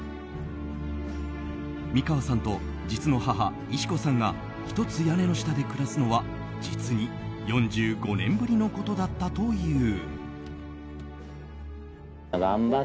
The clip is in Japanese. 美川さんと実の母・以し子さんが一つ屋根の下で暮らすのは実に４５年ぶりのことだったという。